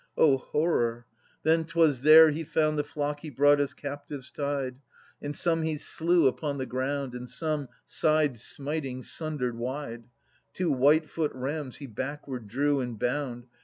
O horror! Then 'twas there he found The flock he brought as captives tied; And some he slew upon the ground, And some, side smiting, sundered wide. Two white foot rams he backward drew, And bound.